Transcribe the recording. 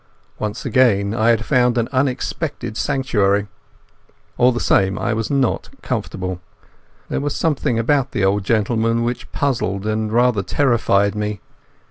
Once again I had found an unexpected sanctuary. All the same I was not comfortable. There was something about the old gentleman which puzzled and rather terrified me.